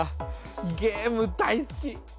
ゲーム大好き！